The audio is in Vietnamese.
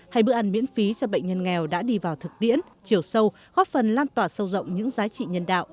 hay bữa ăn miễn phí cho bệnh nhân nghèo đã đi vào thực tiễn chiều sâu góp phần lan tỏa sâu rộng những giá trị nhân đạo